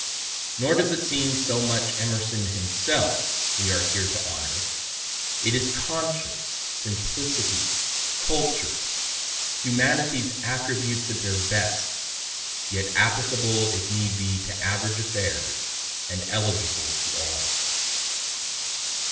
Nor does it seem so much Emerson himself we are here to honor it is conscience, simplicity, culture, humanity's attributes at their best, yet applicable if need be to average affairs, and eligible to all.